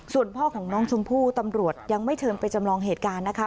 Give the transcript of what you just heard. ส่วนพ่อของน้องชมพู่ตำรวจยังไม่เชิญไปจำลองเหตุการณ์นะคะ